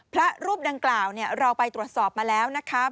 พระรูปดังกล่าวเราไปตรวจสอบมาแล้วนะคะ